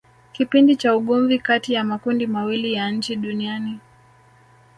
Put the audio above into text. Kipindi cha ugomvi kati ya makundi mawili ya nchi Duniani